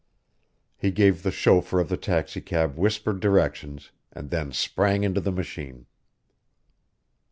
He gave the chauffeur of the taxicab whispered directions, and then sprang into the machine.